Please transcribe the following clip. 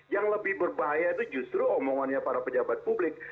yang lebih berbahaya itu justru omongannya para pejabat publik